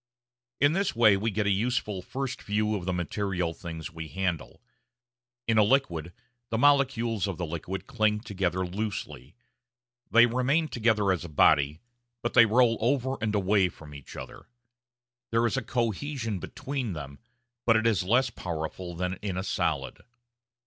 In this way we get a useful first view of the material things we handle. In a liquid the molecules of the liquid cling together loosely. They remain together as a body, but they roll over and away from each other. There is "cohesion" between them, but it is less powerful than in a solid.